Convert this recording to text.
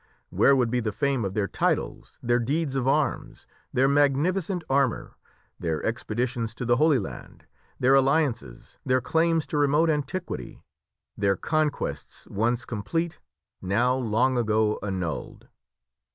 Where would be the fame of their titles, their deeds of arms, their magnificent armour, their expeditions to the Holy Land, their alliances, their claims to remote antiquity, their conquests once complete, now long ago annulled?